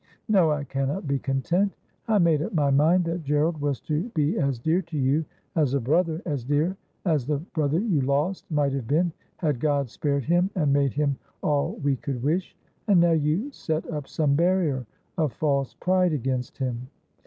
' No ; I cannot be content. I made up my mind that G erald was to be as dear to you as a brother — as dear as the brother you lost might have been, had God spared him and made him all we could wish. And now you set up some barrier of false pride against him.'